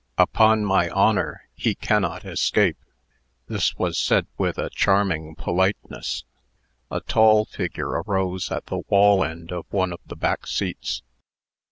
Upon my honor, he cannot escape." This was said with a charming politeness. A tall figure arose at the wall end of one of the back seats.